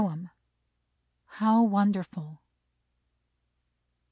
How Wonderful!